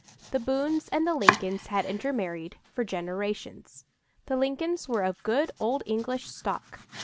The Boones and the Lincolns had intermarried for generations. The Lincolns were of good old English stock.